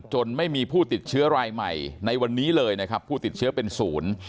ไม่มีผู้ติดเชื้อรายใหม่ในวันนี้เลยนะครับผู้ติดเชื้อเป็นศูนย์